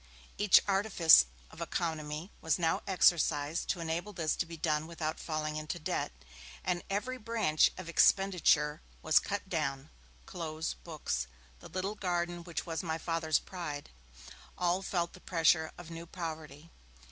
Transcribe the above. Each artifice of economy was now exercised to enable this to be done without falling into debt, and every branch of expenditure was cut down, clothes, books, the little garden which was my Father's pride, all felt the pressure of new poverty.